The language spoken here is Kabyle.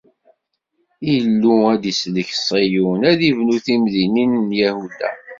Illu ad d-isellek Ṣiyun, ad ibnu timdinin n Yahuda.